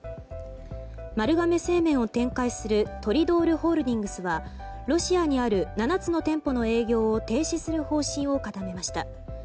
丸亀製麺を展開するトリドールホールディングスはロシアにある７つの店舗の営業を停止する方針を固めました。